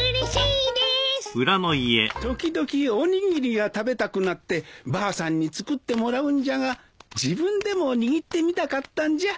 時々おにぎりが食べたくなってばあさんに作ってもらうんじゃが自分でも握ってみたかったんじゃ。